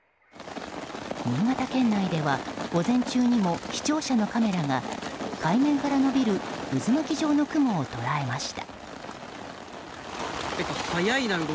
新潟県内では、午前中にも視聴者のカメラが海面から延びる渦巻き状の雲を捉えました。